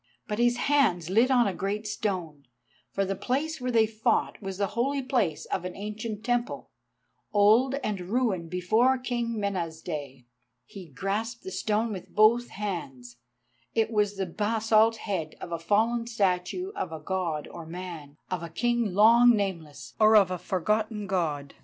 But his hands lit on a great stone, for the place where they fought was the holy place of an ancient temple, old and ruined before King Mena's day. He grasped the stone with both hands; it was the basalt head of a fallen statue of a God or a man, of a king long nameless, or of a forgotten God.